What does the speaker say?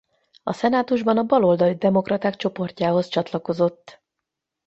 A szenátusban a baloldali demokraták csoportjához csatlakozott.